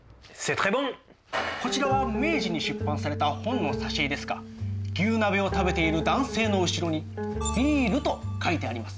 こちらは明治に出版された本の挿絵ですが牛鍋を食べている男性の後ろに「ビイル」と書いてあります。